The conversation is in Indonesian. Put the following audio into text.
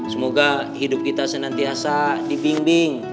semoga hidup kita senantiasa dibimbing